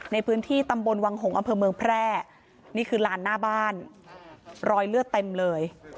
ในพื้นที่ตำบลวังหงษ์อำเภอเมืองแพร่นี่คือลานหน้าบ้านรอยเลือดเต็มเลย